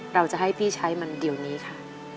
เราจะให้พี่ใช้มันเดี๋ยวนี้ค่ะ